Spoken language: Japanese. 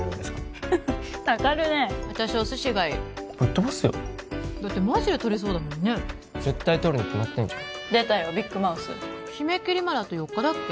フフッたかるね私お寿司がいいぶっとばすよだってマジでとれそうだもんね絶対とるに決まってんじゃん出たよビッグマウス締め切りまであと４日だっけ？